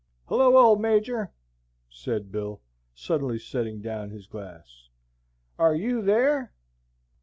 "Hello, old major!" said Bill, suddenly setting down his glass. "Are YOU there?"